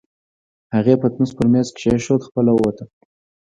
هغې پتنوس پر مېز کېښود، خپله ووته.